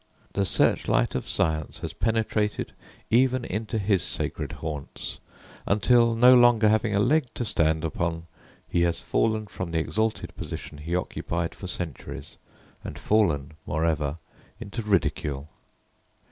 The search light of science has penetrated even into his sacred haunts, until, no longer having a leg to stand upon, he has fallen from the exalted position he occupied for centuries, and fallen moreover into ridicule!